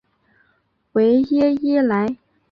维耶伊莱。